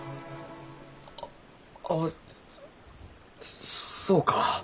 ああそうか。